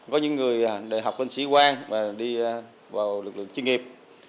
có những người đại học lên sĩ quan và đi vào lực lượng chuyên nghiệp